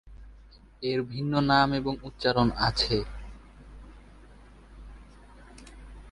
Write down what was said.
এর বিভিন্ন নাম এবং উচ্চারণ আছে।